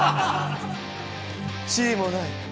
地位もない。